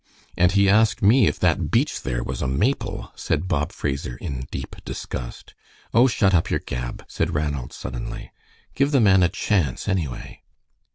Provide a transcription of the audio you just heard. "And he asked me if that beech there was a maple," said Bob Fraser, in deep disgust. "Oh, shut up your gab!" said Ranald, suddenly. "Give the man a chance, anyway."